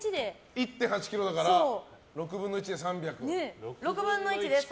１．８ｋｇだから６分の１で３００。